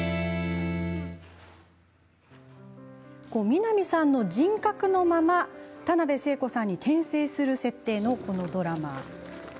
南さんの人格のまま田辺聖子さんに転生する設定のこのドラマ。